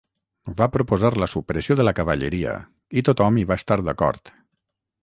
Va proposar la supressió de la cavalleria, i tothom hi va estar d'acord.